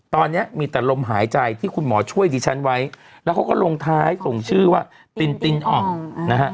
ตอนนี้มีแต่ลมหายใจที่คุณหมอช่วยดิฉันไว้แล้วเขาก็ลงท้ายส่งชื่อว่าตินตินอ่องนะฮะ